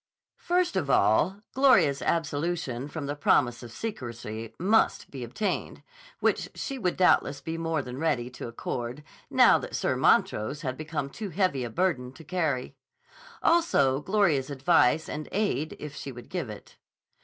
First of all, Gloria's absolution from the promise of secrecy must be obtained, which she would doubtless be more than ready to accord, now that Sir Montrose had become too heavy a burden to carry; also Gloria's advice and aid if she would give it.